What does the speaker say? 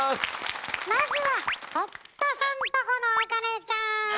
まずは堀田さんとこの茜ちゃん。